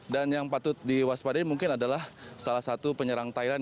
dan yang patut diwaspadai mungkin adalah salah satu penyerang thailand